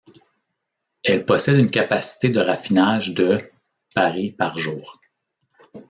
Elle possède une capacité de raffinage de barils par jour.